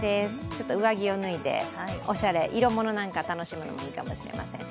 ちょっと上着を脱いでおしゃれ、色物なんか楽しむのもいいかもしれません。